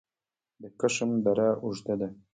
د کشم دره اوږده ده